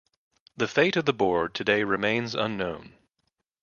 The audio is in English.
The fate of the board today remains unknown.